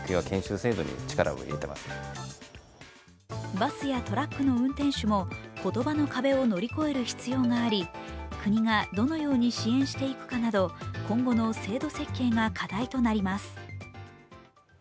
バスやトラックの運転手も言葉の壁を乗り越える必要があり、国がどのように支援していくかなど今後の制度設計が課題となります。